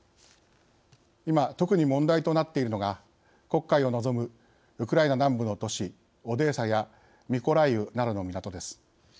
今、特に問題となっているのが黒海を望むウクライナ南部の都市オデーサやミコライウなどの港です。